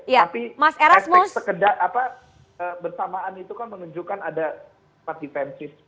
tapi aspek sekedar bersamaan itu kan menunjukkan ada defensif